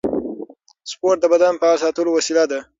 سپورت د بدن فعال ساتلو وسیله ده.